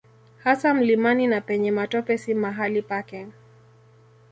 Hasa mlimani na penye matope si mahali pake.